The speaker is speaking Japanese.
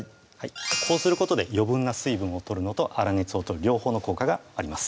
こうすることで余分な水分を取るのと粗熱を取る両方の効果があります